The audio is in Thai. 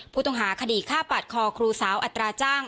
ผู้ต้องหาคดีฆ่าปาดคอครูสาวอัตราจ้าง